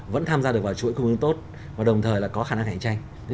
vẫn tham gia được vào chuỗi cung ứng tốt và đồng thời có khả năng hành tranh